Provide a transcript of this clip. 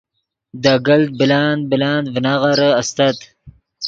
دے گلت بلند بلند ڤینغیرے استت